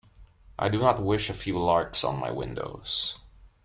I do not wish a few larks on my windows.